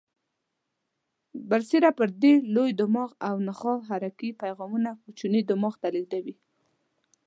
برسیره پر دې لوی دماغ او نخاع حرکي پیغامونه کوچني دماغ ته لېږدوي.